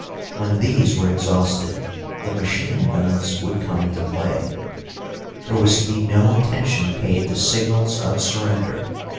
When these were exhausted, the machine guns would come into play. There was to be no attention paid to signals of surrender.